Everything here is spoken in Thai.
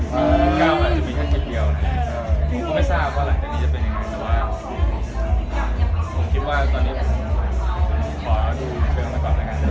ก้าวมันจะมีแค่คลิปเดียวผมก็ไม่ทราบว่าหลังจากนี้จะเป็นยังไง